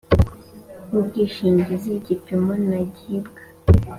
w ubwishingizi igipimo ntagibwa